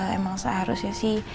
memang seharusnya sih